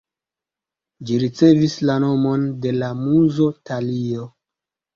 Ĝi ricevis la nomon de la muzo Talio.